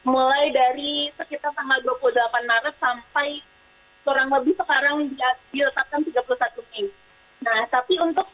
mulai dari sekitar dua puluh delapan maret sampai kurang lebih sekarang di letakkan tiga puluh satu minggu